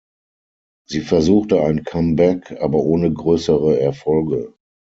Sie versuchte ein Comeback, aber ohne größere Erfolge.